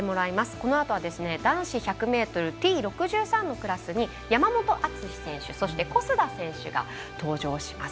このあとは、男子１００ｍのＴ６３のクラスに山本篤選手そして小須田選手が登場します。